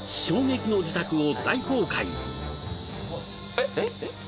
えっ？えっ？